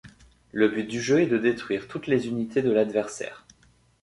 Le but du jeu est de détruire toutes les unités de l'adversaire.